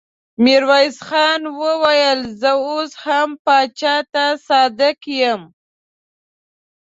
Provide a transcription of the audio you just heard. ميرويس خان وويل: زه اوس هم پاچا ته صادق يم.